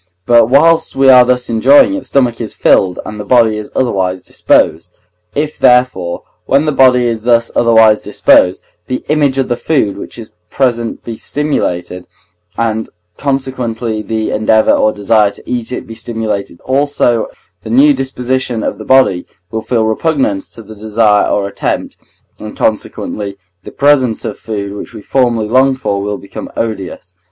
But whilst we are thus enjoying it, the stomach is filled and the body is otherwise disposed. If, therefore, when the body is thus otherwise disposed, the image of the food which is present be stimulated, and consequently the endeavour or desire to eat it be stimulated also, the new disposition of the body will feel repugnance to the desire or attempt, and consequently the presence of the food which we formerly longed for will become odious.